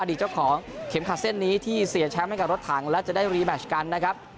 เจ้าของเข็มขัดเส้นนี้ที่เสียแชมป์ให้กับรถถังและจะได้รีแมชกันนะครับ